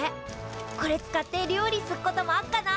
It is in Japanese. これ使って料理すっこともあっかな？